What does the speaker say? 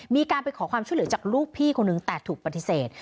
มีการไปขอความช่วยเหลือจากลูกพี่คนนึงแต่ถูกปฏิเสธ